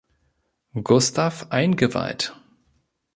Gustaf eingeweiht.